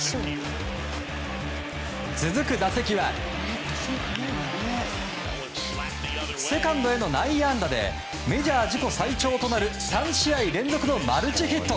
続く打席はセカンドへの内野安打でメジャー自己最長となる３試合連続のマルチヒット。